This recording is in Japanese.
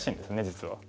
実は。